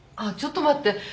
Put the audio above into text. ちょっと待って。